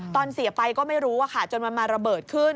ตอนเสียไปก็ไม่รู้จนมันมาระเบิดขึ้น